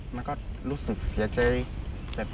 มันก็รู้สึกเสียใจ